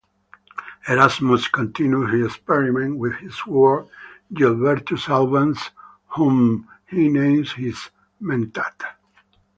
Erasmus continues his experiment with his ward Gilbertus Albans, whom he names his Mentat.